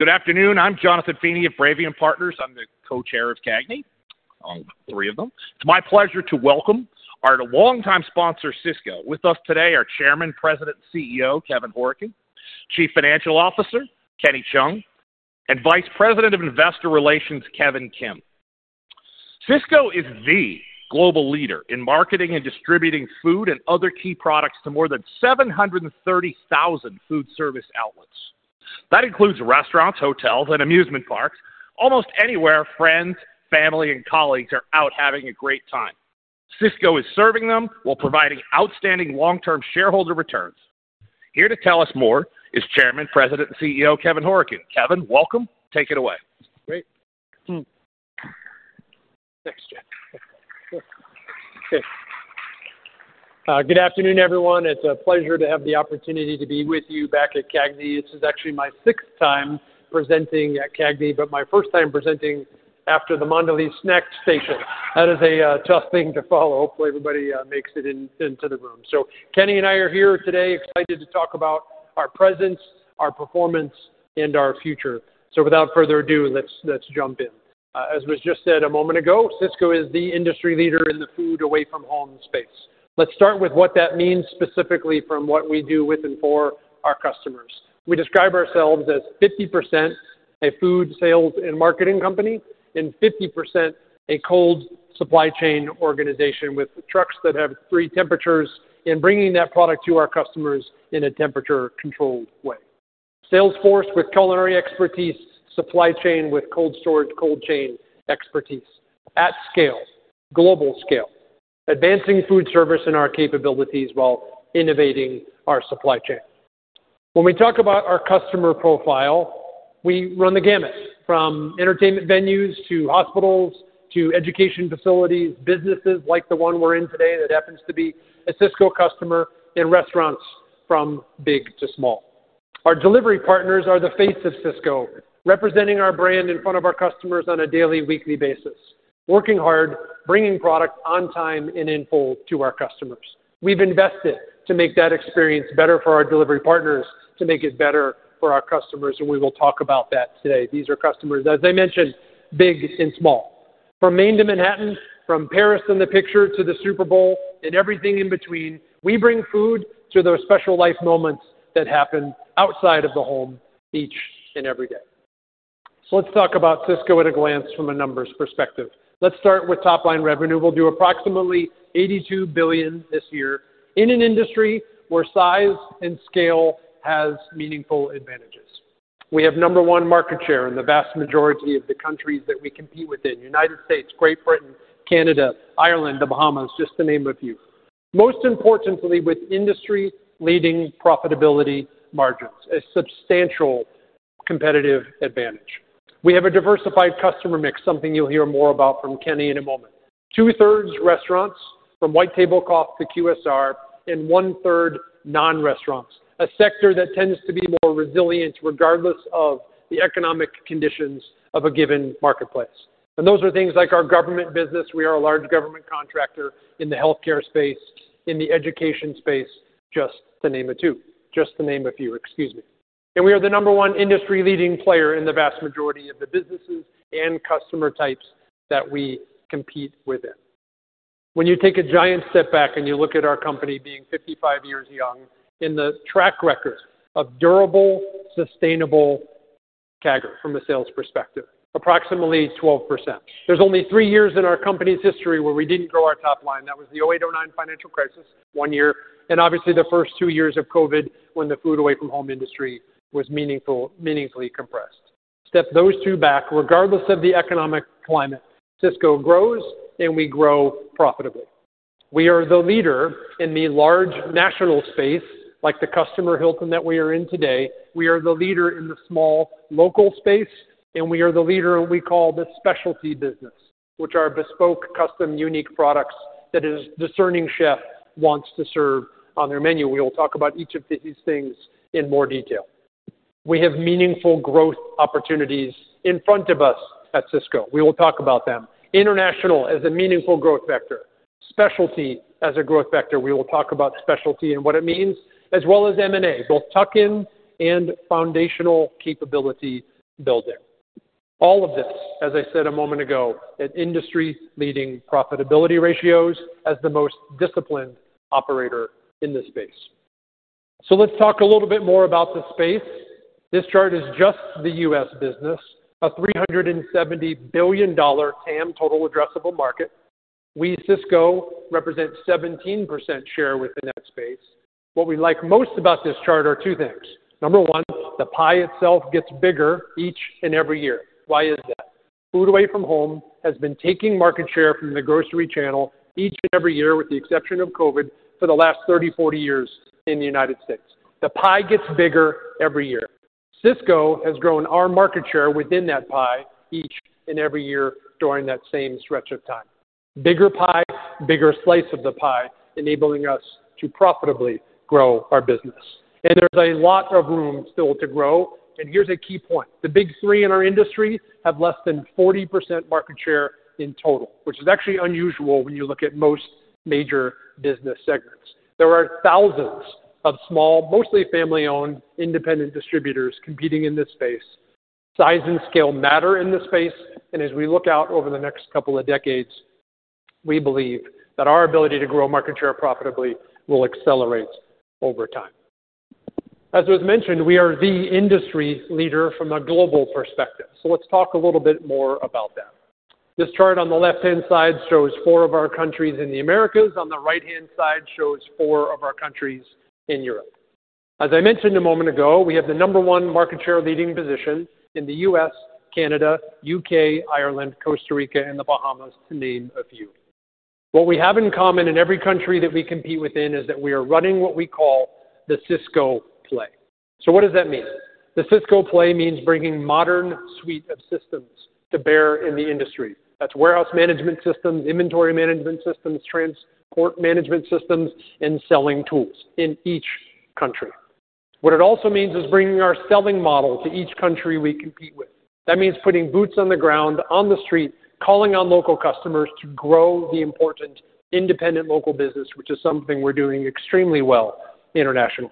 Good afternoon. I'm Jonathan Feeney of Bravium Partners. I'm the co-chair of CAGNY, three of them. It's my pleasure to welcome our longtime sponsor, Sysco. With us today are Chairman, President, and CEO Kevin Hourican, Chief Financial Officer Kenny Cheung, and Vice President of Investor Relations Kevin Kim. Sysco is the global leader in marketing and distributing food and other key products to more than 730,000 food service outlets. That includes restaurants, hotels, and amusement parks. Almost anywhere, friends, family, and colleagues are out having a great time. Sysco is serving them while providing outstanding long-term shareholder returns. Here to tell us more is Chairman, President, and CEO Kevin Hourican. Kevin, welcome. Take it away. Great. Thanks, Jen. Good afternoon, everyone. It's a pleasure to have the opportunity to be with you back at CAGNY. This is actually my sixth time presenting at CAGNY, but my first time presenting after the Mondelez snack station. That is a tough thing to follow. Hopefully, everybody makes it into the room. So Kenny and I are here today excited to talk about our presence, our performance, and our future. So without further ado, let's jump in. As was just said a moment ago, Sysco is the industry leader in the food away-from-home space. Let's start with what that means specifically from what we do with and for our customers. We describe ourselves as 50% a food sales and marketing company and 50% a cold chain organization with trucks that have three temperatures and bringing that product to our customers in a temperature-controlled way. force with culinary expertise, supply chain with cold storage, cold chain expertise. At scale, global scale, advancing food service and our capabilities while innovating our supply chain. When we talk about our customer profile, we run the gamut from entertainment venues to hospitals to education facilities, businesses like the one we're in today that happens to be a Sysco customer, and restaurants from big to small. Our delivery partners are the face of Sysco, representing our brand in front of our customers on a daily, weekly basis, working hard, bringing product on time and in full to our customers. We've invested to make that experience better for our delivery partners, to make it better for our customers, and we will talk about that today. These are customers, as I mentioned, big and small. From Maine to Manhattan, from Paris in the picture to the Super Bowl and everything in between, we bring food to those special life moments that happen outside of the home each and every day. So let's talk about Sysco at a glance from a numbers perspective. Let's start with top-line revenue. We'll do approximately $82 billion this year in an industry where size and scale have meaningful advantages. We have number one market share in the vast majority of the countries that we compete within: United States, Great Britain, Canada, Ireland, the Bahamas, just to name a few. Most importantly, with industry-leading profitability margins, a substantial competitive advantage. We have a diversified customer mix, something you'll hear more about from Kenny in a moment. Two-thirds restaurants, from White Table Coffee to QSR, and one-third non-restaurants, a sector that tends to be more resilient regardless of the economic conditions of a given marketplace. Those are things like our government business. We are a large government contractor in the healthcare space, in the education space, just to name a few, excuse me. We are the number one industry-leading player in the vast majority of the businesses and customer types that we compete within. When you take a giant step back and you look at our company being 55 years young in the track record of durable, sustainable CAGR from a sales perspective, approximately 12%. There's only three years in our company's history where we didn't grow our top line. That was the 2008, 2009 financial crisis, one year, and obviously the first two years of COVID when the food away-from-home industry was meaningfully compressed. Step those two back, regardless of the economic climate, Sysco grows and we grow profitably. We are the leader in the large national space, like the customer Hilton that we are in today. We are the leader in the small local space, and we are the leader in what we call the specialty business, which are bespoke, custom, unique products that a discerning chef wants to serve on their menu. We will talk about each of these things in more detail. We have meaningful growth opportunities in front of us at Sysco. We will talk about them. International as a meaningful growth vector. Specialty as a growth vector. We will talk about specialty and what it means, as well as M&A, both tuck-in and foundational capability building. All of this, as I said a moment ago, at industry-leading profitability ratios as the most disciplined operator in the space. So let's talk a little bit more about the space. This chart is just the U.S. business, a $370 billion TAM total addressable market. We, Sysco, represent 17% share within that space. What we like most about this chart are two things. Number one, the pie itself gets bigger each and every year. Why is that? Food away-from-home has been taking market share from the grocery channel each and every year, with the exception of COVID, for the last 30, 40 years in the United States. The pie gets bigger every year. Sysco has grown our market share within that pie each and every year during that same stretch of time. Bigger pie, bigger slice of the pie, enabling us to profitably grow our business. And there's a lot of room still to grow. And here's a key point. The Big Three in our industry have less than 40% market share in total, which is actually unusual when you look at most major business segments. There are thousands of small, mostly family-owned, independent distributors competing in this space. Size and scale matter in this space. And as we look out over the next couple of decades, we believe that our ability to grow market share profitably will accelerate over time. As was mentioned, we are the industry leader from a global perspective. So let's talk a little bit more about that. This chart on the left-hand side shows four of our countries in the Americas. On the right-hand side shows four of our countries in Europe. As I mentioned a moment ago, we have the number one market share leading position in the U.S., Canada, U.K., Ireland, Costa Rica, and the Bahamas, to name a few. What we have in common in every country that we compete within is that we are running what we call the Sysco Play. So what does that mean? The Sysco Play means bringing a modern suite of systems to bear in the industry. That's warehouse management systems, inventory management systems, transport management systems, and selling tools in each country. What it also means is bringing our selling model to each country we compete with. That means putting boots on the ground on the street, calling on local customers to grow the important independent local business, which is something we're doing extremely well internationally.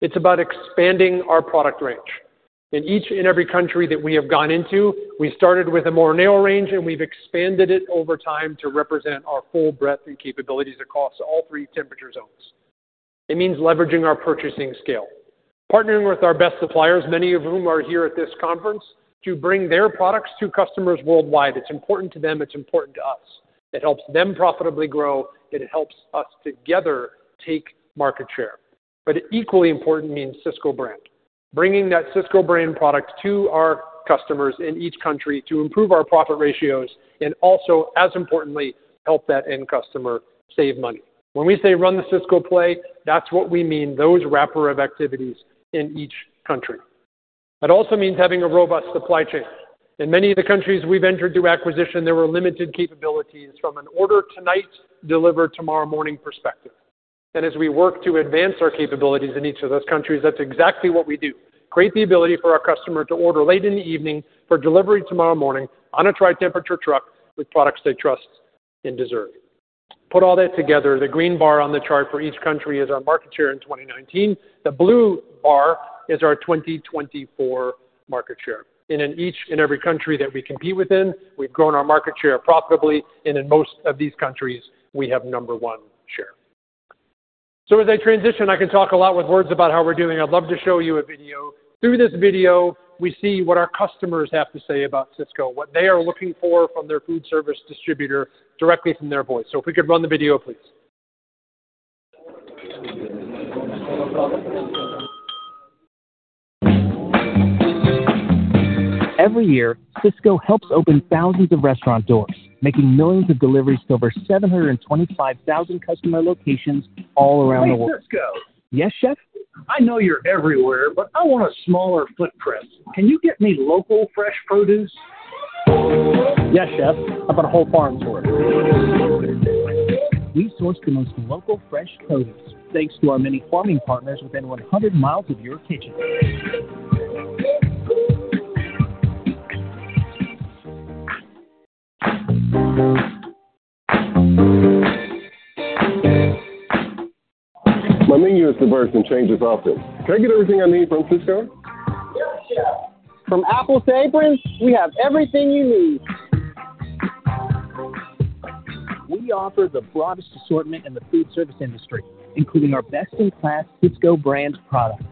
It's about expanding our product range. In each and every country that we have gone into, we started with a more narrow range, and we've expanded it over time to represent our full breadth and capabilities across all three temperature zones. It means leveraging our purchasing scale, partnering with our best suppliers, many of whom are here at this conference, to bring their products to customers worldwide. It's important to them. It's important to us. It helps them profitably grow, and it helps us together take market share. But equally important means Sysco Brand, bringing that Sysco Brand product to our customers in each country to improve our profit ratios and also, as importantly, help that end customer save money. When we say run the Sysco Play, that's what we mean, those wrapper of activities in each country. That also means having a robust supply chain. In many of the countries we've entered through acquisition, there were limited capabilities from an order tonight, deliver tomorrow morning perspective. And as we work to advance our capabilities in each of those countries, that's exactly what we do: create the ability for our customer to order late in the evening for delivery tomorrow morning on a tri-temperature truck with products they trust and deserve. Put all that together, the green bar on the chart for each country is our market share in 2019. The blue bar is our 2024 market share. And in each and every country that we compete within, we've grown our market share profitably. And in most of these countries, we have number one share. So as I transition, I can talk a lot with words about how we're doing. I'd love to show you a video. Through this video, we see what our customers have to say about Sysco, what they are looking for from their food service distributor directly from their voice. So if we could run the video, please. Every year, Sysco helps open thousands of restaurant doors, making millions of deliveries to over 725,000 customer locations all around the world. Hey, Sysco. Yes, Chef? I know you're everywhere, but I want a smaller footprint. Can you get me local fresh produce? Yes, Chef. How about a whole farm for it? We source the most local fresh produce thanks to our many farming partners within 100 miles of your kitchen. My name is the person who changes often. Can I get everything I need from Sysco? Yes, Chef. From apples to aprons, we have everything you need. We offer the broadest assortment in the food service industry, including our best-in-class Sysco brand products.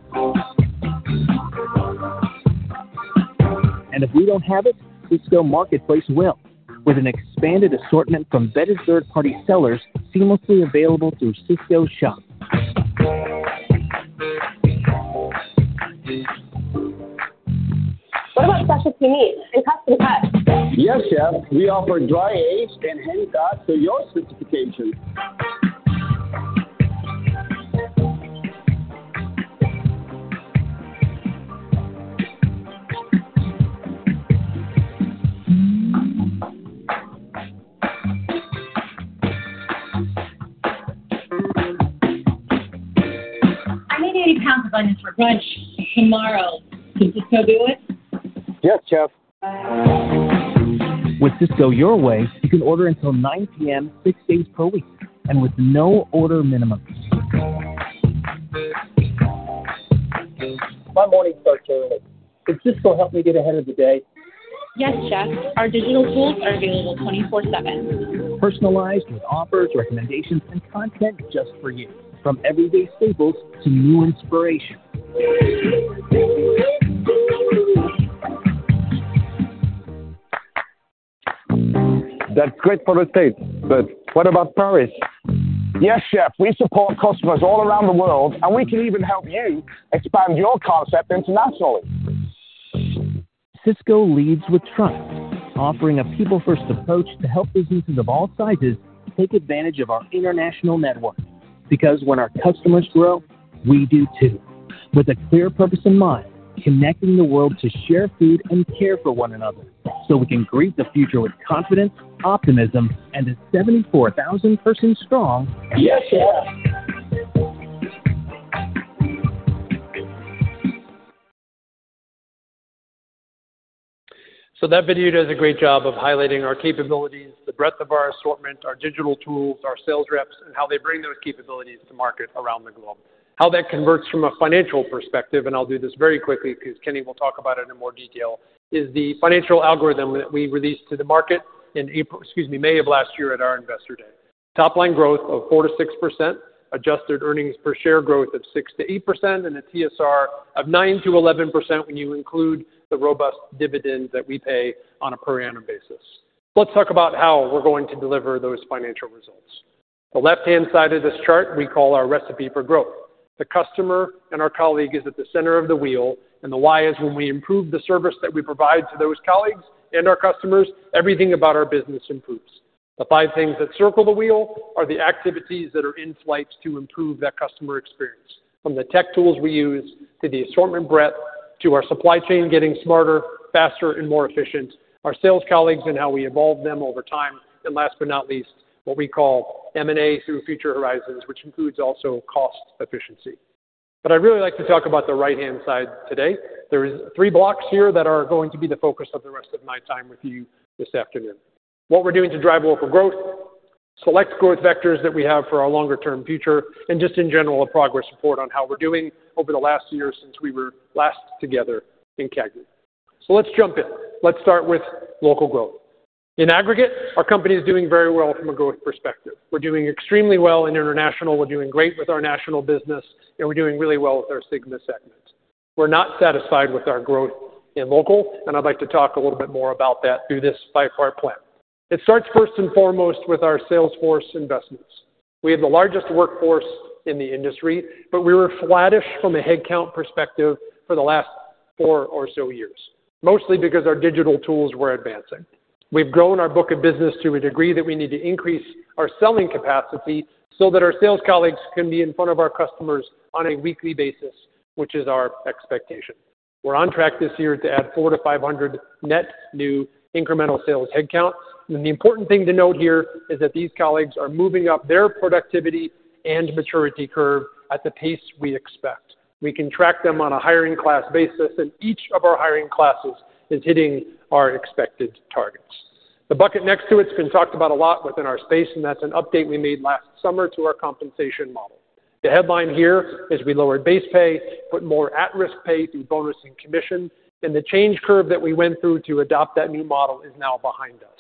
And if we don't have it, Sysco Marketplace will, with an expanded assortment from vetted third-party sellers seamlessly available through Sysco Shop. What about specialty meat and custom cuts? Yes, Chef. We offer dry-aged and hand-cut to your specification. I need 80 lbs of onions for brunch tomorrow. Can Sysco do it? Yes, Chef. With Sysco Your Way, you can order until 9:00 P.M., six days per week, and with no order minimum. My morning starts early. Could Sysco help me get ahead of the day? Yes, Chef. Our digital tools are available 24/7. Personalized with offers, recommendations, and content just for you, from everyday staples to new inspiration. That's great for the state, but what about Paris? Yes, Chef. We support customers all around the world, and we can even help you expand your concept internationally. Sysco leads with trust, offering a people-first approach to help businesses of all sizes take advantage of our international network. Because when our customers grow, we do too. With a clear purpose in mind, connecting the world to share food and care for one another so we can greet the future with confidence, optimism, and a 74,000-person strong. Yes, Chef. So that video does a great job of highlighting our capabilities, the breadth of our assortment, our digital tools, our sales reps, and how they bring those capabilities to market around the globe. How that converts from a financial perspective, and I'll do this very quickly because Kenny will talk about it in more detail, is the financial algorithm that we released to the market in April, excuse me, May of last year at our investor day. Top-line growth of 4 to 6%, adjusted earnings per share growth of 6 ot 8%, and a TSR of 9 to 11% when you include the robust dividend that we pay on a per annum basis. Let's talk about how we're going to deliver those financial results. The left-hand side of this chart we call our recipe for growth. The customer and our colleague is at the center of the wheel. The why is when we improve the service that we provide to those colleagues and our customers, everything about our business improves. The five things that circle the wheel are the activities that are in place to improve that customer experience, from the tech tools we use to the assortment breadth to our supply chain getting smarter, faster, and more efficient, our sales colleagues and how we evolve them over time, and last but not least, what we call M&A through Future Horizons, which includes also cost efficiency. I'd really like to talk about the right-hand side today. There are three blocks here that are going to be the focus of the rest of my time with you this afternoon. What we're doing to drive local growth, select growth vectors that we have for our longer-term future, and just in general, a progress report on how we're doing over the last year since we were last together in CAGNY. So let's jump in. Let's start with local growth. In aggregate, our company is doing very well from a growth perspective. We're doing extremely well in international. We're doing great with our national business, and we're doing really well with our Sigma segment. We're not satisfied with our growth in local, and I'd like to talk a little bit more about that through this five-part plan. It starts first and foremost with our sales force investments. We have the largest workforce in the industry, but we were flattish from a headcount perspective for the last four or so years, mostly because our digital tools were advancing. We've grown our book of business to a degree that we need to increase our selling capacity so that our sales colleagues can be in front of our customers on a weekly basis, which is our expectation. We're on track this year to add 400 to 500 net new incremental sales headcounts. And the important thing to note here is that these colleagues are moving up their productivity and maturity curve at the pace we expect. We can track them on a hiring class basis, and each of our hiring classes is hitting our expected targets. The bucket next to it. It's been talked about a lot within our space, and that's an update we made last summer to our compensation model. The headline here is we lowered base pay, put more at-risk pay through bonus and commission, and the change curve that we went through to adopt that new model is now behind us.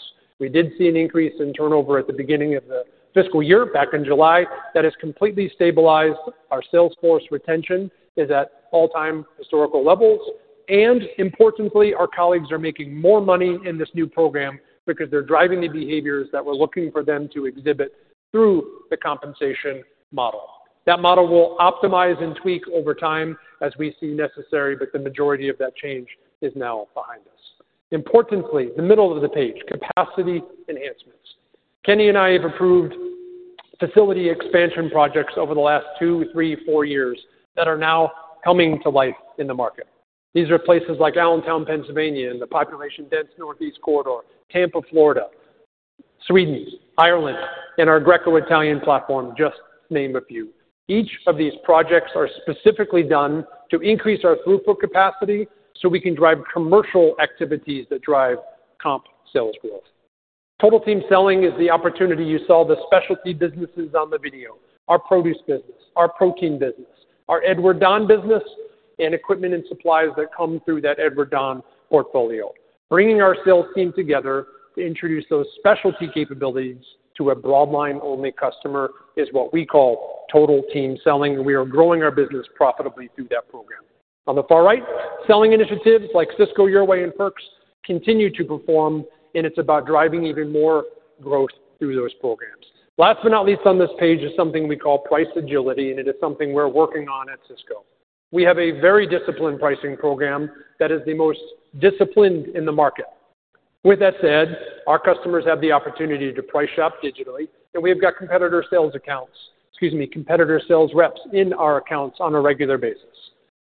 We did see an increase in turnover at the beginning of the fiscal year back in July. That has completely stabilized. Our sales force retention is at all-time historical levels. And importantly, our colleagues are making more money in this new program because they're driving the behaviors that we're looking for them to exhibit through the compensation model. That model will optimize and tweak over time as we see necessary, but the majority of that change is now behind us. Importantly, the middle of the page, capacity enhancements. Kenny and I have approved facility expansion projects over the last two, three, four years that are now coming to life in the market. These are places like Allentown, Pennsylvania, and the population-dense Northeast Corridor, Tampa, Florida, Sweden, Ireland, and our Greco-Italian platform, just to name a few. Each of these projects is specifically done to increase our throughput capacity so we can drive commercial activities that drive comp sales growth. Total Team Selling is the opportunity you saw the specialty businesses on the video: our produce business, our protein business, our Edward Don business, and equipment and supplies that come through that Edward Don portfolio. Bringing our sales team together to introduce those specialty capabilities to a broadline-only customer is what we call Total Team Selling, and we are growing our business profitably through that program. On the far right, selling initiatives like Sysco Your Way and Perks continue to perform, and it's about driving even more growth through those programs. Last but not least on this page is something we call price agility, and it is something we're working on at Sysco. We have a very disciplined pricing program that is the most disciplined in the market. With that said, our customers have the opportunity to price shop digitally, and we have got competitor sales accounts, excuse me, competitor sales reps in our accounts on a regular basis.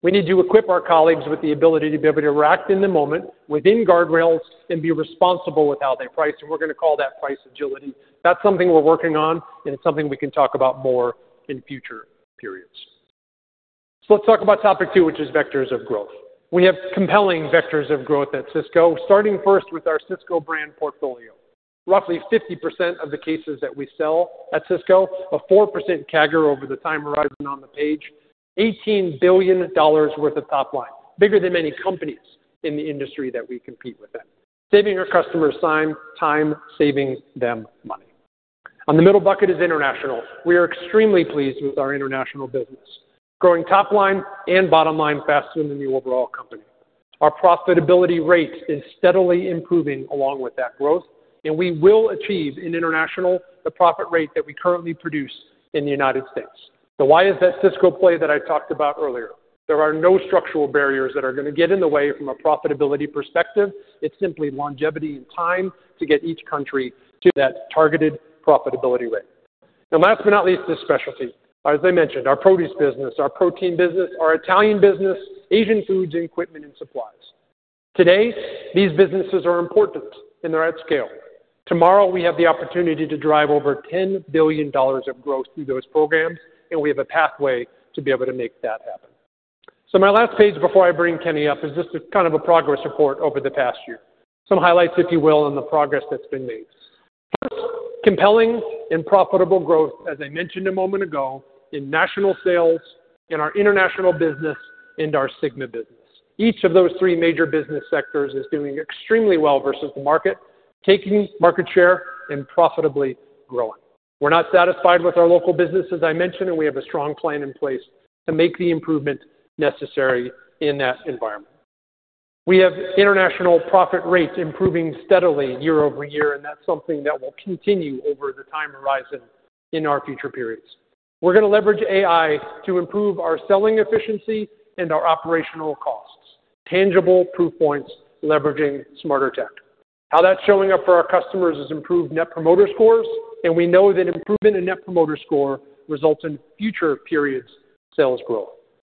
We need to equip our colleagues with the ability to be able to react in the moment within guardrails and be responsible with how they price, and we're going to call that price agility. That's something we're working on, and it's something we can talk about more in future periods. So let's talk about topic two, which is vectors of growth. We have compelling vectors of growth at Sysco, starting first with our Sysco brand portfolio. Roughly 50% of the cases that we sell at Sysco, a 4% CAGR over the time horizon on the page, $18 billion worth of top line, bigger than many companies in the industry that we compete with them, saving our customers time, saving them money. On the middle bucket is international. We are extremely pleased with our international business, growing top line and bottom line faster than the overall company. Our profitability rate is steadily improving along with that growth, and we will achieve in international the profit rate that we currently produce in the United States. The why is that Sysco Play that I talked about earlier? There are no structural barriers that are going to get in the way from a profitability perspective. It's simply longevity and time to get each country to that targeted profitability rate. And last but not least, the specialty. As I mentioned, our produce business, our protein business, our Italian business, Asian foods, and equipment and supplies. Today, these businesses are important, and they're at scale. Tomorrow, we have the opportunity to drive over $10 billion of growth through those programs, and we have a pathway to be able to make that happen. So my last page before I bring Kenny up is just kind of a progress report over the past year. Some highlights, if you will, on the progress that's been made. First, compelling and profitable growth, as I mentioned a moment ago, in national sales, in our international business, and our Sigma business. Each of those three major business sectors is doing extremely well versus the market, taking market share and profitably growing. We're not satisfied with our local business, as I mentioned, and we have a strong plan in place to make the improvement necessary in that environment. We have international profit rates improving steadily year over year, and that's something that will continue over the time horizon in our future periods. We're going to leverage AI to improve our selling efficiency and our operational costs, tangible proof points, leveraging smarter tech. How that's showing up for our customers has improved Net Promoter Scores, and we know that improvement in Net Promoter Score results in future periods' sales growth.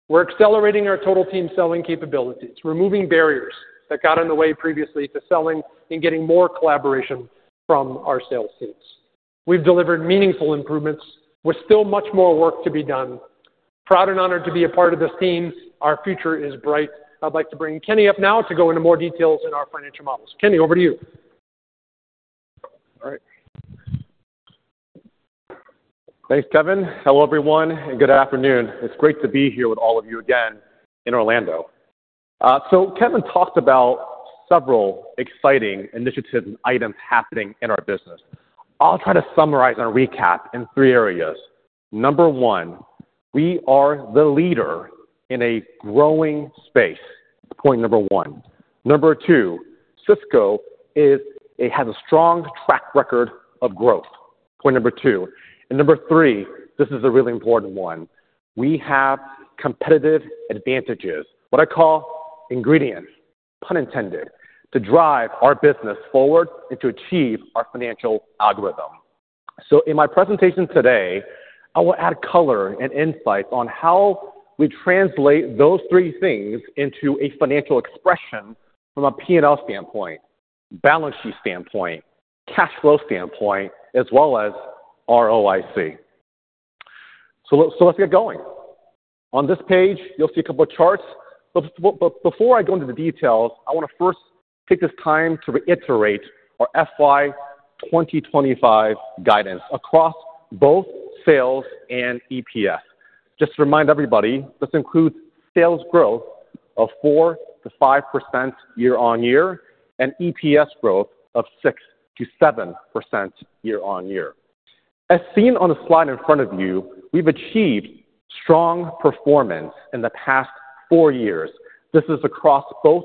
We're accelerating our Total Team Selling capabilities, removing barriers that got in the way previously to selling and getting more collaboration from our sales teams. We've delivered meaningful improvements. We're still much more work to be done. Proud and honored to be a part of this team. Our future is bright. I'd like to bring Kenny up now to go into more details in our financial models. Kenny, over to you. All right. Thanks, Kevin. Hello, everyone, and good afternoon. It's great to be here with all of you again in Orlando. So Kevin talked about several exciting initiatives and items happening in our business. I'll try to summarize and recap in three areas. Number one, we are the leader in a growing space. Point number one. Number two, Sysco has a strong track record of growth. Point number two. And number three, this is a really important one. We have competitive advantages, what I call ingredients, pun intended, to drive our business forward and to achieve our financial algorithm. So in my presentation today, I will add color and insights on how we translate those three things into a financial expression from a P&L standpoint, balance sheet standpoint, cash flow standpoint, as well as ROIC. So let's get going. On this page, you'll see a couple of charts. But before I go into the details, I want to first take this time to reiterate our FY 2025 guidance across both sales and EPS. Just to remind everybody, this includes sales growth of 4% to 5% year-on-year and EPS growth of 6% to 7% year-on-year. As seen on the slide in front of you, we've achieved strong performance in the past four years. This is across both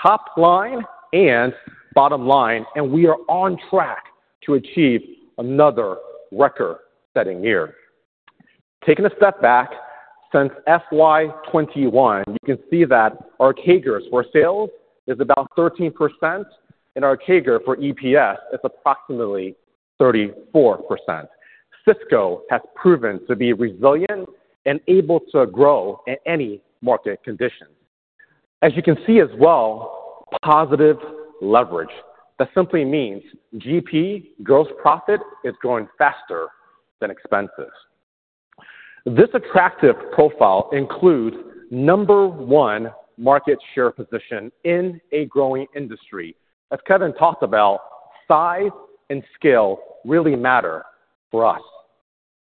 top line and bottom line, and we are on track to achieve another record-setting year. Taking a step back, since FY 2021, you can see that our CAGR for sales is about 13%, and our CAGR for EPS is approximately 34%. Sysco has proven to be resilient and able to grow in any market conditions. As you can see as well, positive leverage. That simply means GP, gross profit, is growing faster than expenses. This attractive profile includes number one market share position in a growing industry. As Kevin talked about, size and scale really matter for us.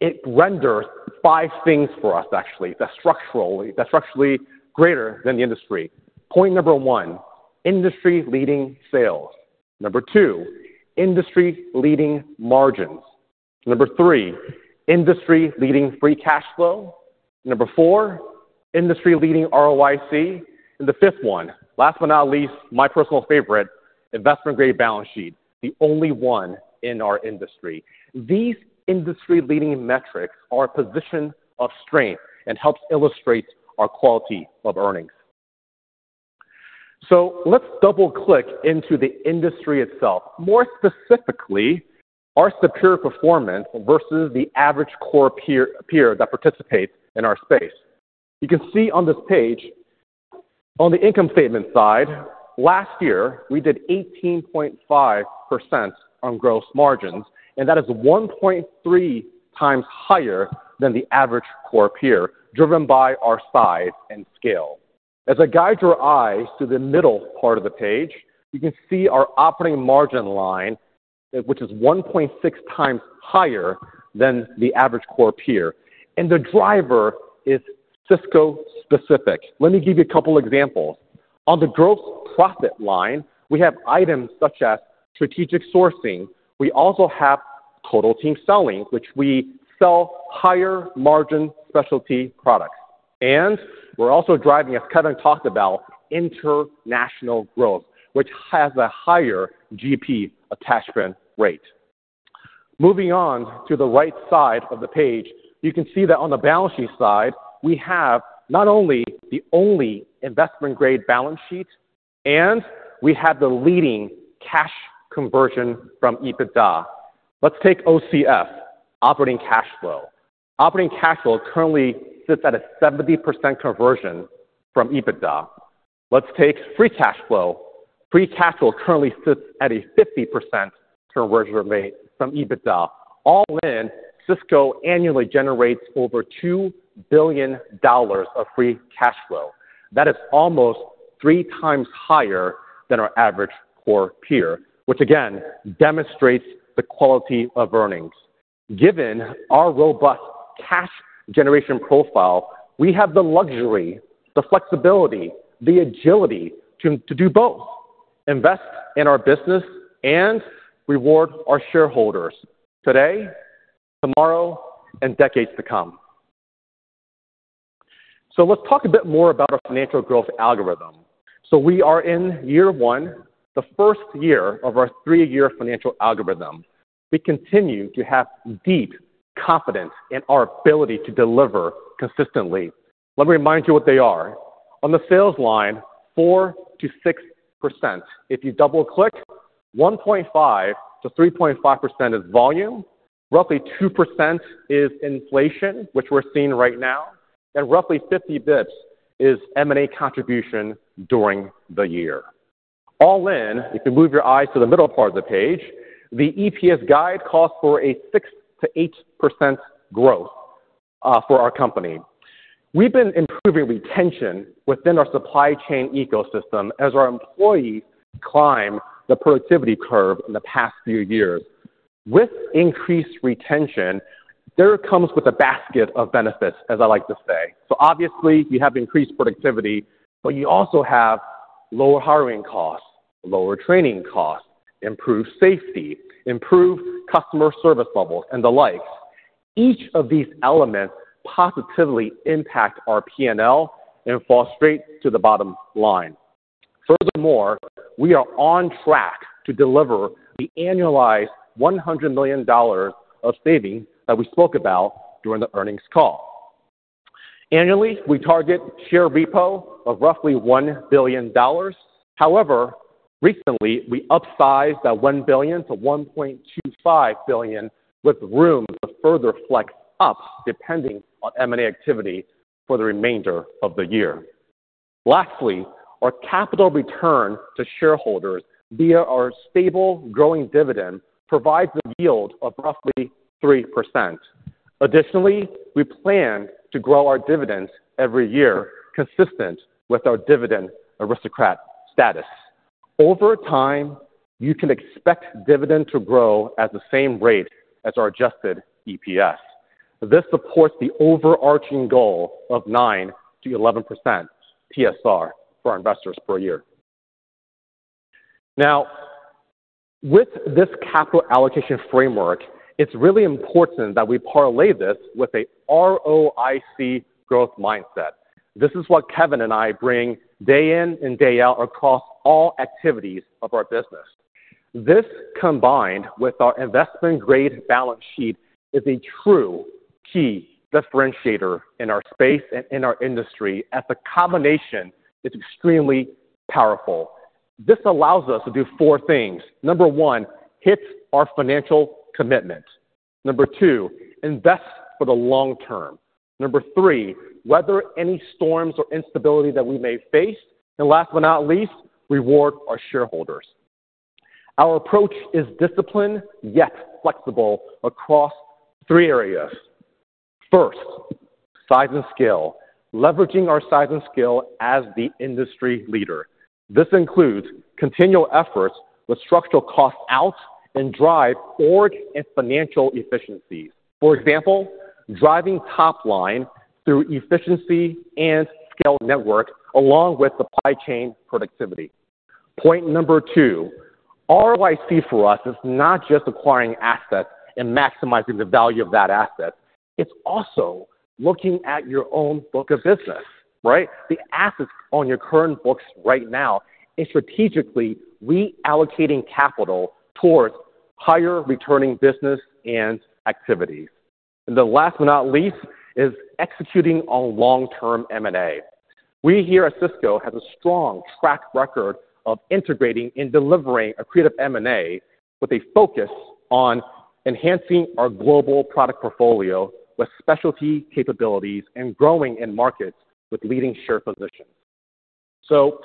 It renders five things for us, actually, that's structurally greater than the industry. Point number one, industry-leading sales. Number two, industry-leading margins. Number three, industry-leading free cash flow. Number four, industry-leading ROIC. And the fifth one, last but not least, my personal favorite, investment-grade balance sheet, the only one in our industry. These industry-leading metrics are a position of strength and help illustrate our quality of earnings. So let's double-click into the industry itself. More specifically, our superior performance versus the average core peer that participates in our space. You can see on this page, on the income statement side, last year, we did 18.5% on gross margins, and that is 1.3 times higher than the average core peer, driven by our size and scale. As I guide your eyes to the middle part of the page, you can see our operating margin line, which is 1.6 times higher than the average core peer. And the driver is Sysco specific. Let me give you a couple of examples. On the gross profit line, we have items such as strategic sourcing. We also have Total Team Selling, which we sell higher margin specialty products. And we're also driving, as Kevin talked about, international growth, which has a higher GP attachment rate. Moving on to the right side of the page, you can see that on the balance sheet side, we have not only the only investment-grade balance sheet, and we have the leading cash conversion from EBITDA. Let's take OCF, operating cash flow. Operating cash flow currently sits at a 70% conversion from EBITDA. Let's take free cash flow. Free cash flow currently sits at a 50% conversion rate from EBITDA. All in, Sysco annually generates over $2 billion of free cash flow. That is almost three times higher than our average core peer, which again demonstrates the quality of earnings. Given our robust cash generation profile, we have the luxury, the flexibility, the agility to do both, invest in our business, and reward our shareholders today, tomorrow, and decades to come. So let's talk a bit more about our financial growth algorithm. So we are in year one, the first year of our three-year financial algorithm. We continue to have deep confidence in our ability to deliver consistently. Let me remind you what they are. On the sales line, 4% to 6%. If you double-click, 1.5% to 3.5% is volume, roughly 2% is inflation, which we're seeing right now, and roughly 50 basis points is M&A contribution during the year. All in, if you move your eyes to the middle part of the page, the EPS guide calls for a 6% to 8% growth for our company. We've been improving retention within our supply chain ecosystem as our employees climb the productivity curve in the past few years. With increased retention, there comes with a basket of benefits, as I like to say. So obviously, you have increased productivity, but you also have lower hiring costs, lower training costs, improved safety, improved customer service levels, and the likes. Each of these elements positively impact our P&L and fall straight to the bottom line. Furthermore, we are on track to deliver the annualized $100 million of savings that we spoke about during the earnings call. Annually, we target share repo of roughly $1 billion. However, recently, we upsized that $1 billion to $1.25 billion, with room to further flex up depending on M&A activity for the remainder of the year. Lastly, our capital return to shareholders via our stable growing dividend provides a yield of roughly 3%. Additionally, we plan to grow our dividends every year consistent with our Dividend Aristocrat status. Over time, you can expect dividend to grow at the same rate as our adjusted EPS. This supports the overarching goal of 9% to 11% TSR for our investors per year. Now, with this capital allocation framework, it's really important that we parlay this with an ROIC growth mindset. This is what Kevin and I bring day in and day out across all activities of our business. This, combined with our investment-grade balance sheet, is a true key differentiator in our space and in our industry. That's a combination that's extremely powerful. This allows us to do four things. Number one, hit our financial commitment. Number two, invest for the long term. Number three, weather any storms or instability that we may face. And last but not least, reward our shareholders. Our approach is disciplined yet flexible across three areas. First, size and scale, leveraging our size and scale as the industry leader. This includes continual efforts with structural costs out and drive org and financial efficiencies. For example, driving top line through efficiency and scale network along with supply chain productivity. Point number two, ROIC for us is not just acquiring assets and maximizing the value of that asset. It's also looking at your own book of business, right? The assets on your current books right now are strategically reallocating capital towards higher returning business and activities. And then last but not least is executing on long-term M&A. We here at Sysco have a strong track record of integrating and delivering a creative M&A with a focus on enhancing our global product portfolio with specialty capabilities and growing in markets with leading share positions. So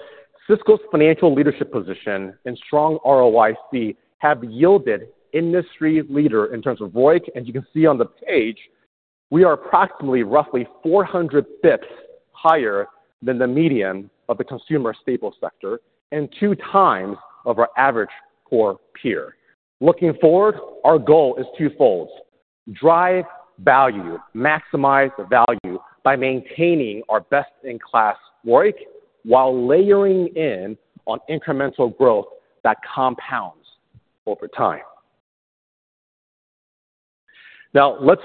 Sysco's financial leadership position and strong ROIC have yielded industry leader in terms of ROIC, and you can see on the page, we are approximately roughly 400 basis points higher than the median of the consumer staple sector and two times of our average core peer. Looking forward, our goal is twofold: drive value, maximize the value by maintaining our best-in-class ROIC while layering in on incremental growth that compounds over time. Now, let's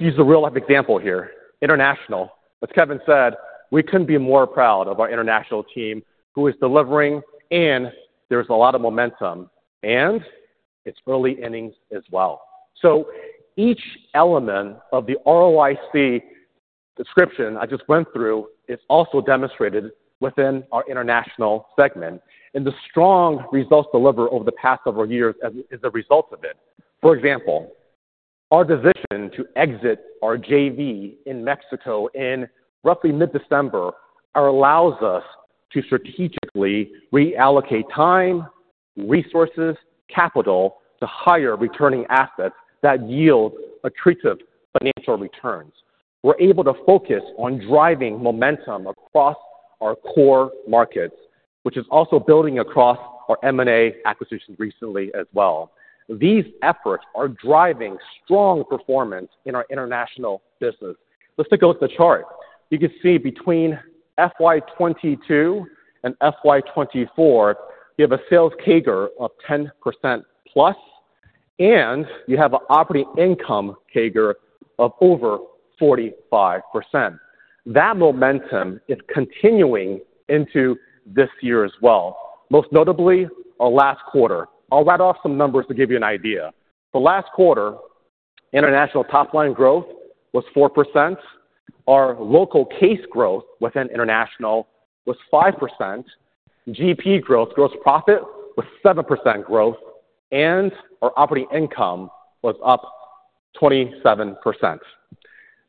use a real-life example here. International, as Kevin said, we couldn't be more proud of our international team who is delivering, and there's a lot of momentum, and it's early innings as well. So each element of the ROIC description I just went through is also demonstrated within our international segment. And the strong results delivered over the past several years is a result of it. For example, our decision to exit our JV in Mexico in roughly mid-December allows us to strategically reallocate time, resources, capital to higher returning assets that yield attractive financial returns. We're able to focus on driving momentum across our core markets, which is also building across our M&A acquisitions recently as well. These efforts are driving strong performance in our international business. Let's take a look at the chart. You can see between FY 2022 and FY 2024, you have a sales CAGR of 10% plus, and you have an operating income CAGR of over 45%. That momentum is continuing into this year as well, most notably our last quarter. I'll reel off some numbers to give you an idea. The last quarter, international top line growth was 4%. Our local case growth within international was 5%. GP growth, gross profit, was 7% growth, and our operating income was up 27%.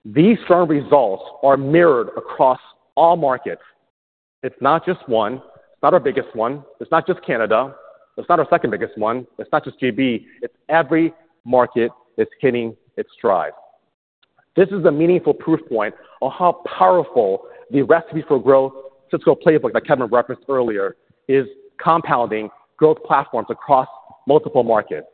These strong results are mirrored across all markets. It's not just one. It's not our biggest one. It's not just Canada. It's not our second biggest one. It's not just GB. It's every market that's hitting its stride. This is a meaningful proof point of how powerful the recipe for growth, Sysco Play that Kevin referenced earlier, is compounding growth platforms across multiple markets.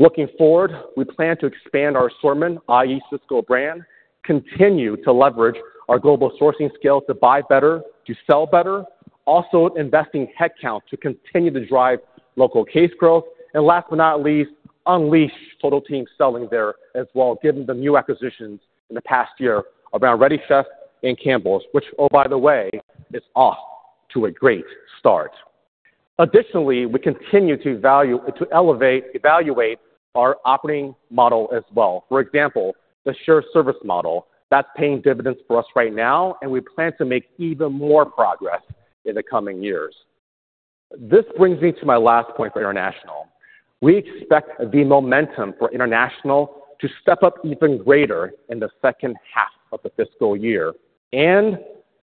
Looking forward, we plan to expand our assortment, i.e., Sysco Brand, continue to leverage our global sourcing skills to buy better, to sell better, also investing headcount to continue to drive local case growth. And last but not least, unleash Total Team Selling there as well, given the new acquisitions in the past year around Ready Chef and Campbell's, which, oh, by the way, is off to a great start. Additionally, we continue to evaluate our operating model as well. For example, the shared services model that's paying dividends for us right now, and we plan to make even more progress in the coming years. This brings me to my last point for international. We expect the momentum for international to step up even greater in the second half of the fiscal year. And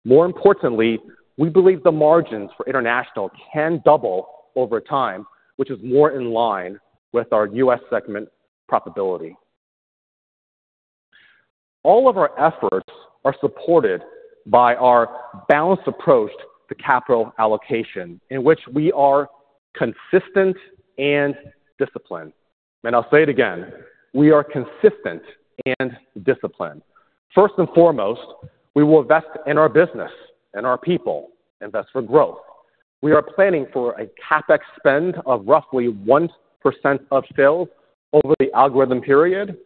more importantly, we believe the margins for international can double over time, which is more in line with our U.S. segment profitability. All of our efforts are supported by our balanced approach to capital allocation in which we are consistent and disciplined. And I'll say it again, we are consistent and disciplined. First and foremost, we will invest in our business and our people and invest for growth. We are planning for a CapEx spend of roughly 1% of sales over the long term.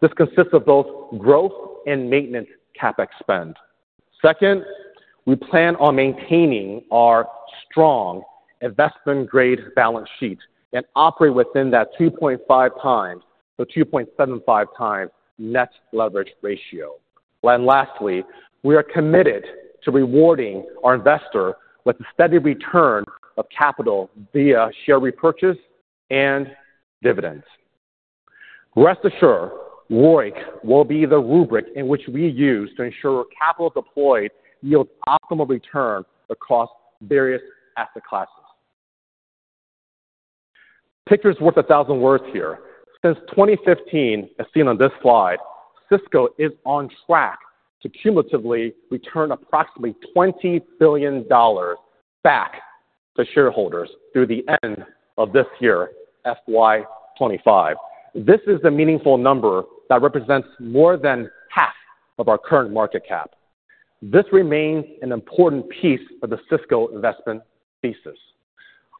This consists of both growth and maintenance CapEx spend. Second, we plan on maintaining our strong investment-grade balance sheet and operate within that 2.5 times or 2.75 times net leverage ratio. Lastly, we are committed to rewarding our investor with a steady return of capital via share repurchase and dividends. Rest assured, ROIC will be the rubric in which we use to ensure capital deployed yields optimal return across various asset classes. A picture is worth a thousand words here. Since 2015, as seen on this slide, Sysco is on track to cumulatively return approximately $20 billion back to shareholders through the end of this year, FY 2025. This is a meaningful number that represents more than half of our current market cap. This remains an important piece of the Sysco investment thesis.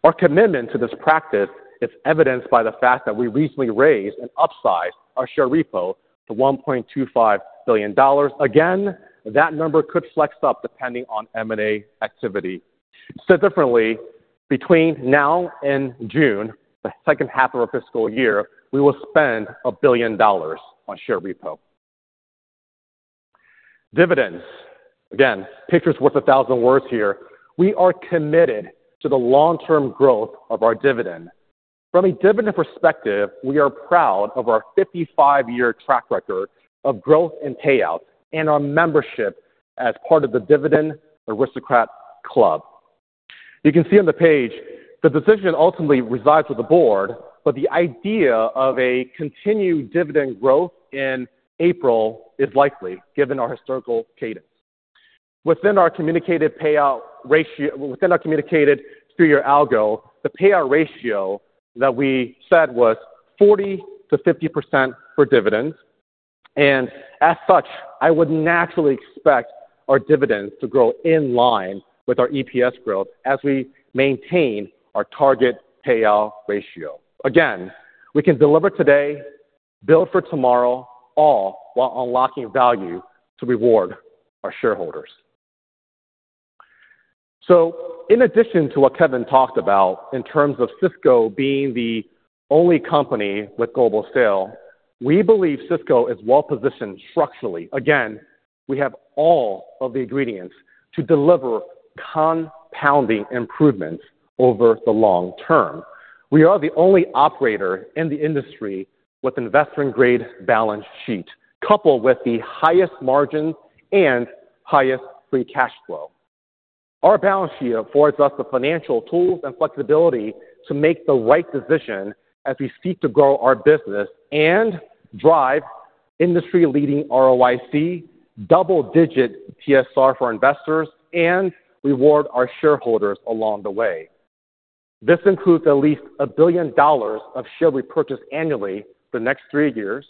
Our commitment to this practice is evidenced by the fact that we recently raised and upsized our share repo to $1.25 billion. Again, that number could flex up depending on M&A activity. Said differently, between now and June, the second half of our fiscal year, we will spend $1 billion on share repo. Dividends. Again, picture is worth a thousand words here. We are committed to the long-term growth of our dividend. From a dividend perspective, we are proud of our 55-year track record of growth and payouts and our membership as part of the Dividend Aristocrat Club. You can see on the page, the decision ultimately resides with the board, but the idea of a continued dividend growth in April is likely given our historical cadence. Within our communicated payout ratio, within our communicated three-year algo, the payout ratio that we said was 40%-50% for dividends. And as such, I would naturally expect our dividends to grow in line with our EPS growth as we maintain our target payout ratio. Again, we can deliver today, build for tomorrow, all while unlocking value to reward our shareholders. So in addition to what Kevin talked about in terms of Sysco being the only company with global scale, we believe Sysco is well-positioned structurally. Again, we have all of the ingredients to deliver compounding improvements over the long term. We are the only operator in the industry with investment-grade balance sheet, coupled with the highest margins and highest free cash flow. Our balance sheet affords us the financial tools and flexibility to make the right decision as we seek to grow our business and drive industry-leading ROIC, double-digit TSR for investors, and reward our shareholders along the way. This includes at least $1 billion of share repurchase annually for the next three years.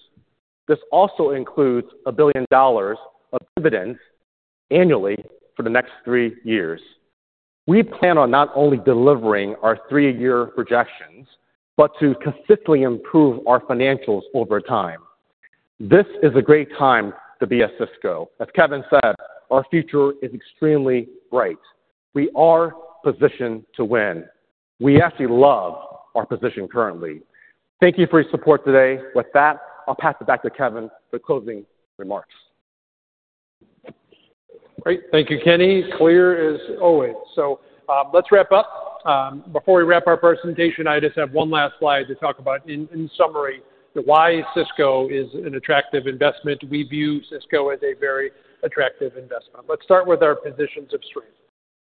This also includes $1 billion of dividends annually for the next three years. We plan on not only delivering our three-year projections, but to consistently improve our financials over time. This is a great time to be at Sysco. As Kevin said, our future is extremely bright. We are positioned to win. We actually love our position currently. Thank you for your support today. With that, I'll pass it back to Kevin for closing remarks. Great. Thank you, Kenny. Clear as always. So let's wrap up. Before we wrap our presentation, I just have one last slide to talk about in summary why Sysco is an attractive investment. We view Sysco as a very attractive investment. Let's start with our positions of strength.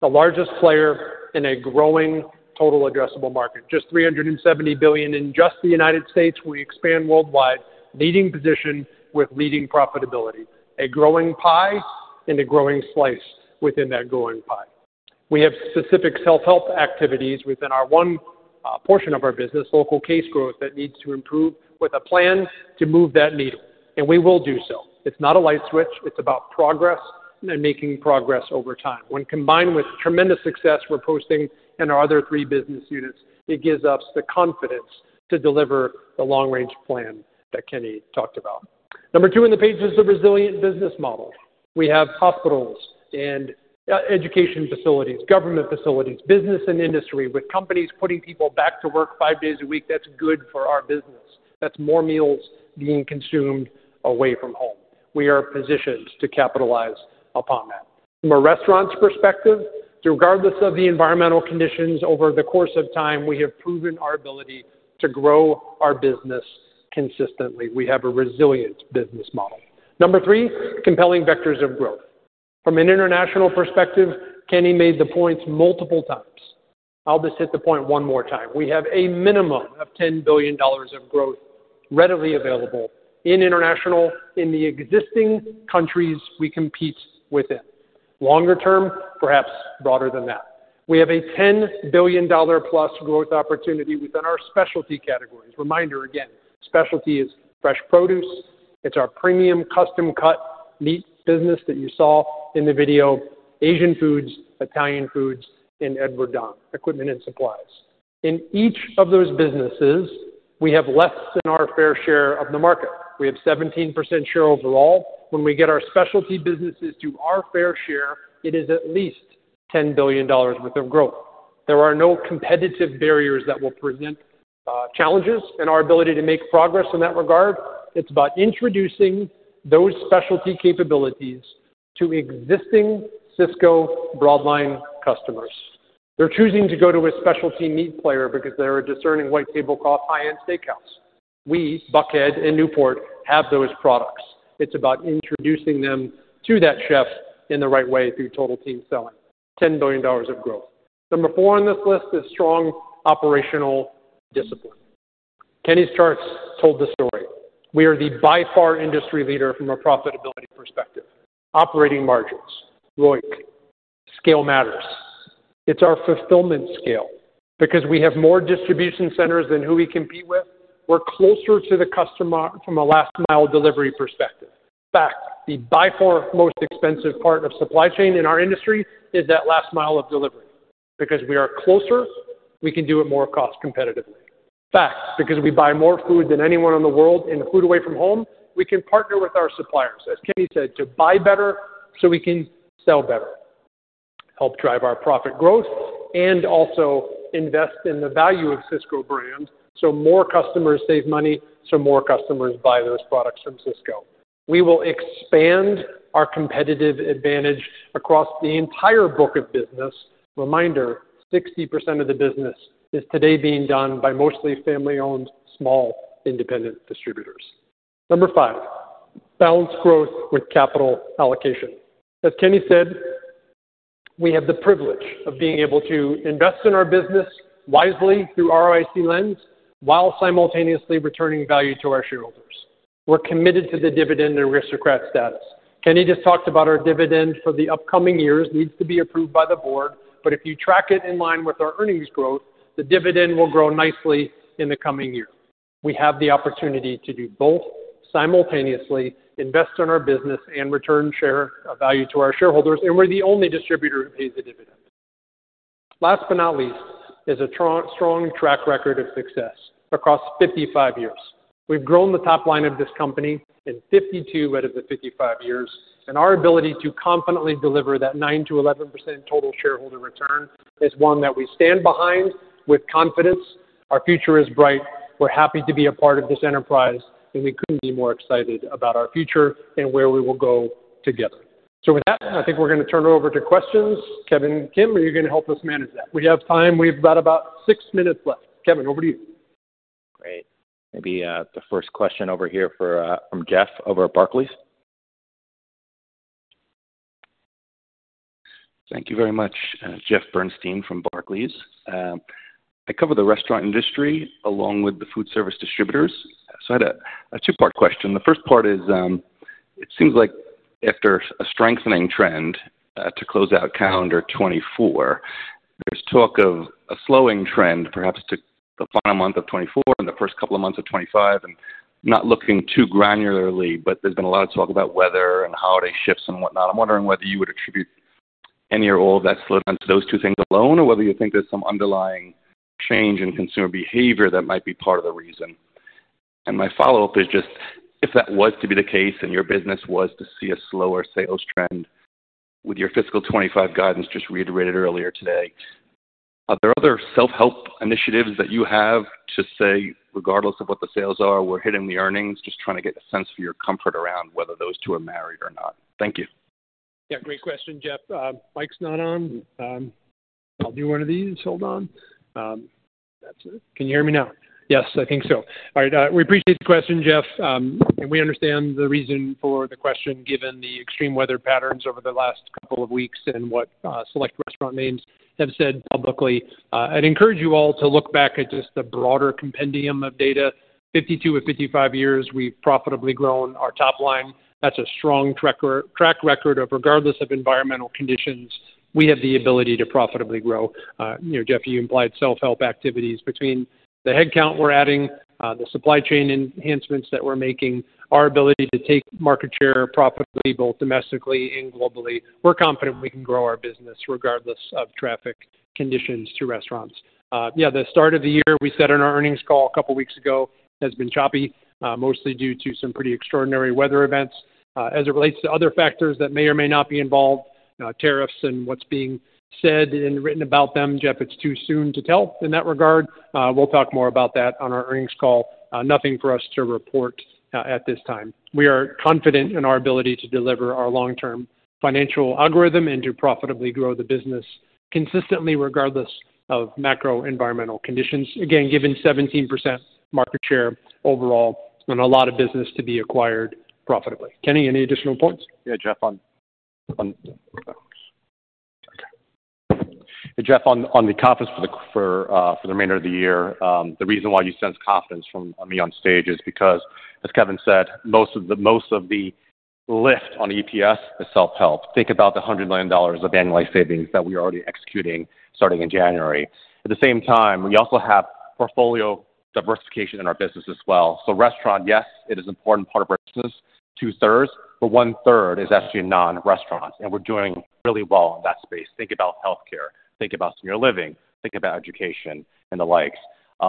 The largest player in a growing total addressable market, just $370 billion in just the United States. We expand worldwide, leading position with leading profitability, a growing pie and a growing slice within that growing pie. We have specific self-help activities within our one portion of our business, local case growth that needs to improve with a plan to move that needle, and we will do so. It's not a light switch. It's about progress and making progress over time. When combined with tremendous success we're posting in our other three business units, it gives us the confidence to deliver the long-range plan that Kenny talked about. Number two on the page is the resilient business model. We have hospitals and education facilities, government facilities, business and industry with companies putting people back to work five days a week. That's good for our business. That's more meals being consumed away from home. We are positioned to capitalize upon that. From a restaurant's perspective, regardless of the environmental conditions over the course of time, we have proven our ability to grow our business consistently. We have a resilient business model. Number three, compelling vectors of growth. From an international perspective, Kenny made the points multiple times. I'll just hit the point one more time. We have a minimum of $10 billion of growth readily available in international, in the existing countries we compete within. Longer term, perhaps broader than that. We have a $10 billion plus growth opportunity within our specialty categories. Reminder again, specialty is fresh produce. It's our premium custom cut meat business that you saw in the video, Asian foods, Italian foods, and Edward Don equipment and supplies. In each of those businesses, we have less than our fair share of the market. We have 17% share overall. When we get our specialty businesses to our fair share, it is at least $10 billion worth of growth. There are no competitive barriers that will present challenges in our ability to make progress in that regard. It's about introducing those specialty capabilities to existing Sysco broadline customers. They're choosing to go to a specialty meat player because they're a discerning white tablecloth high-end steakhouse. We, Buckhead and Newport, have those products. It's about introducing them to that chef in the right way through total team selling. $10 billion of growth. Number four on this list is strong operational discipline. Kenny's charts told the story. We are, by far, the industry leader from a profitability perspective. Operating margins, ROIC, scale matters. It's our fulfillment scale because we have more distribution centers than who we compete with. We're closer to the customer from a last mile delivery perspective. In fact, by far the most expensive part of supply chain in our industry is that last mile of delivery. Because we are closer, we can do it more cost competitively. In fact, because we buy more food than anyone in the world and food away from home, we can partner with our suppliers, as Kenny said, to buy better so we can sell better, help drive our profit growth, and also invest in the value of Sysco Brand so more customers save money so more customers buy those products from Sysco. We will expand our competitive advantage across the entire book of business. Reminder, 60% of the business is today being done by mostly family-owned small independent distributors. Number five, balanced growth with capital allocation. As Kenny said, we have the privilege of being able to invest in our business wisely through ROIC lens while simultaneously returning value to our shareholders. We're committed to the Dividend Aristocrat status. Kenny just talked about our dividend for the upcoming years, [which] needs to be approved by the board, but if you track it in line with our earnings growth, the dividend will grow nicely in the coming year. We have the opportunity to do both simultaneously, invest in our business and return shareholder value to our shareholders, and we're the only distributor who pays the dividend. Last but not least is a strong track record of success across 55 years. We've grown the top line of this company in 52 out of the 55 years, and our ability to confidently deliver that 9%-11% total shareholder return is one that we stand behind with confidence. Our future is bright. We're happy to be a part of this enterprise, and we couldn't be more excited about our future and where we will go together. So with that, I think we're going to turn it over to questions. Kevin Kim, are you going to help us manage that? We have time. We've got about six minutes left. Kevin, over to you. Great. Maybe the first question over here from Jeff over at Barclays. Thank you very much, Jeff Bernstein from Barclays. I cover the restaurant industry along with the food service distributors. So I had a two-part question. The first part is, it seems like after a strengthening trend to close out calendar 2024, there's talk of a slowing trend perhaps to the final month of 2024 and the first couple of months of 2025. And not looking too granularly, but there's been a lot of talk about weather and holiday shifts and whatnot. I'm wondering whether you would attribute any or all of that slowdown to those two things alone or whether you think there's some underlying change in consumer behavior that might be part of the reason? My follow-up is just, if that was to be the case and your business was to see a slower sales trend with your fiscal 2025 guidance just reiterated earlier today, are there other self-help initiatives that you have to say, regardless of what the sales are, we're hitting the earnings, just trying to get a sense for your comfort around whether those two are married or not? Thank you. Yeah, great question, Jeff. Mike's not on. I'll do one of these. Hold on. Can you hear me now? Yes, I think so. All right. We appreciate the question, Jeff. And we understand the reason for the question given the extreme weather patterns over the last couple of weeks and what select restaurant names have said publicly. I'd encourage you all to look back at just the broader compendium of data. For 52 to 55 years, we've profitably grown our top line. That's a strong track record regardless of environmental conditions. We have the ability to profitably grow. Jeff, you implied self-help activities between the headcount we're adding, the supply chain enhancements that we're making, our ability to take market share profitably both domestically and globally. We're confident we can grow our business regardless of traffic conditions to restaurants. Yeah, the start of the year we said in our earnings call a couple of weeks ago has been choppy, mostly due to some pretty extraordinary weather events. As it relates to other factors that may or may not be involved, tariffs and what's being said and written about them, Jeff, it's too soon to tell in that regard. We'll talk more about that on our earnings call. Nothing for us to report at this time. We are confident in our ability to deliver our long-term financial algorithm and to profitably grow the business consistently regardless of macro environmental conditions. Again, given 17% market share overall and a lot of business to be acquired profitably. Kenny, any additional points? Yeah, Jeff. On the cadence for the remainder of the year, the reason why you sense confidence from me on stage is because, as Kevin said, most of the lift on EPS is self-help. Think about the $100 million of annualized savings that we are already executing starting in January. At the same time, we also have portfolio diversification in our business as well. So restaurant, yes, it is an important part of our business, two-thirds, but one-third is actually non-restaurants. And we're doing really well in that space. Think about healthcare. Think about senior living. Think about education and the likes.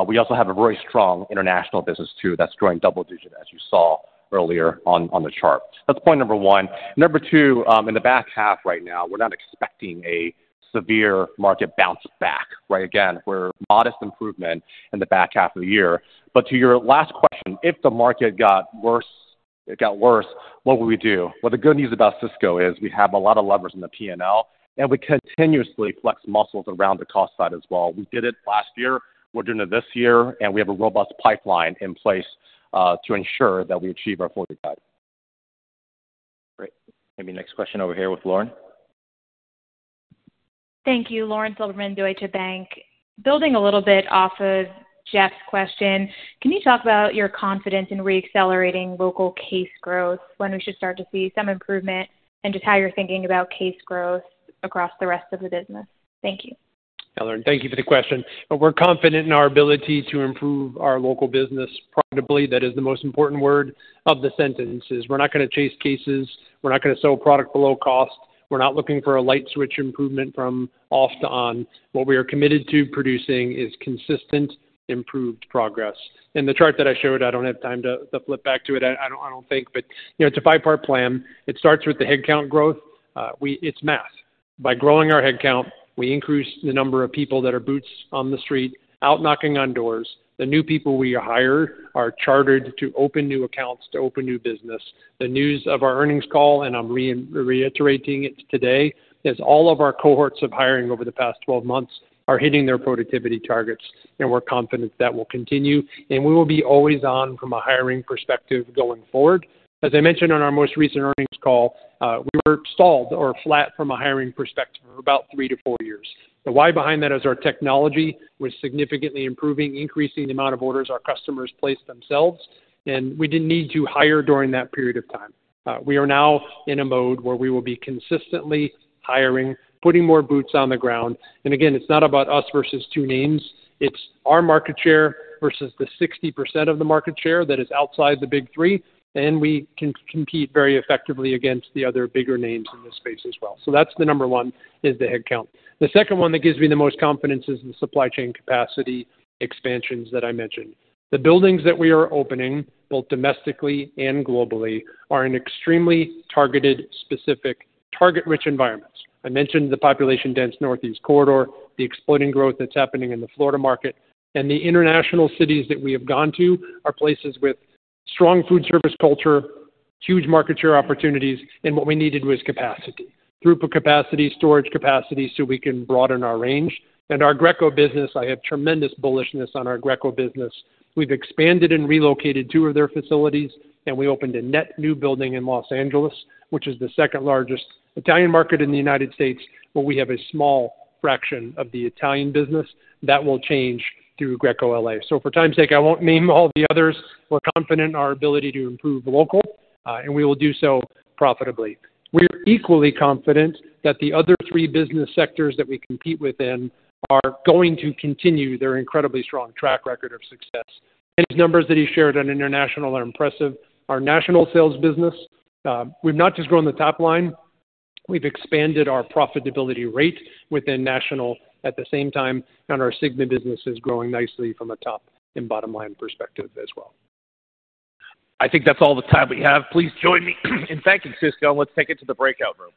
We also have a very strong international business too that's growing double-digit as you saw earlier on the chart. That's point number one. Number two, in the back half right now, we're not expecting a severe market bounce back. Right. Again, we're expecting modest improvement in the back half of the year. But to your last question, if the market got worse, it got worse, what would we do? Well, the good news about Sysco is we have a lot of levers in the P&L, and we continuously flex muscles around the cost side as well. We did it last year. We're doing it this year, and we have a robust pipeline in place to ensure that we achieve our four-year target. Great. Maybe next question over here with Lauren. Thank you. Lauren Silberman, Deutsche Bank. Building a little bit off of Jeff's question, can you talk about your confidence in reaccelerating local case growth when we should start to see some improvement and just how you're thinking about case growth across the rest of the business? Thank you. Thank you for the question. We're confident in our ability to improve our local business profitably. That is the most important word of the sentence. We're not going to chase cases. We're not going to sell product below cost. We're not looking for a light switch improvement from off to on. What we are committed to producing is consistent improved progress. And the chart that I showed, I don't have time to flip back to it, I don't think, but it's a five-part plan. It starts with the headcount growth. It's math. By growing our headcount, we increase the number of people that are boots on the street, out knocking on doors. The new people we hire are chartered to open new accounts, to open new business. The news of our earnings call, and I'm reiterating it today, is all of our cohorts of hiring over the past 12 months are hitting their productivity targets. And we're confident that will continue. And we will be always on from a hiring perspective going forward. As I mentioned on our most recent earnings call, we were stalled or flat from a hiring perspective for about three to four years. The why behind that is our technology was significantly improving, increasing the amount of orders our customers placed themselves, and we didn't need to hire during that period of time. We are now in a mode where we will be consistently hiring, putting more boots on the ground, and again, it's not about us versus two names. It's our market share versus the 60% of the market share that is outside the big three, and we can compete very effectively against the other bigger names in this space as well, so that's the number one is the headcount. The second one that gives me the most confidence is the supply chain capacity expansions that I mentioned. The buildings that we are opening, both domestically and globally, are in extremely targeted, specific, target-rich environments. I mentioned the population-dense Northeast corridor, the exploding growth that's happening in the Florida market, and the international cities that we have gone to are places with strong food service culture, huge market share opportunities, and what we needed was capacity. Throughput capacity, storage capacity so we can broaden our range, and our Greco business. I have tremendous bullishness on our Greco business. We've expanded and relocated two of their facilities, and we opened a net new building in Los Angeles, which is the second largest Italian market in the United States, but we have a small fraction of the Italian business that will change through Greco LA. So for time's sake, I won't name all the others. We're confident in our ability to improve local, and we will do so profitably. We're equally confident that the other three business sectors that we compete within are going to continue their incredibly strong track record of success. And his numbers that he shared on international are impressive. Our national sales business, we've not just grown the top line. We've expanded our profitability rate within national at the same time, and our SYGMA business is growing nicely from a top and bottom line perspective as well. I think that's all the time we have. Please join me in thanking Sysco, and let's take it to the breakout room.